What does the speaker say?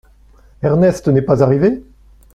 Ernest n’est pas arrivé ?